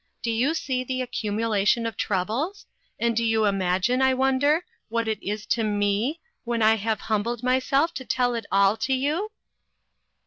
Do you see the accumulation of troubles? and do you imagine, I wonder, what it is to me, when I have humbled myself to tell it all to you?"